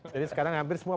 jadi sekarang hampir semua